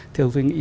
thưa quý vị